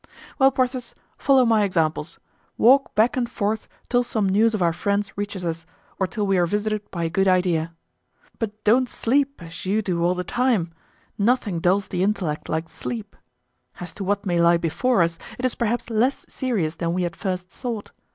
"Well, Porthos, follow my examples; walk back and forth till some news of our friends reaches us or till we are visited by a good idea. But don't sleep as you do all the time; nothing dulls the intellect like sleep. As to what may lie before us, it is perhaps less serious than we at first thought.